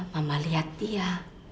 mama lihat dia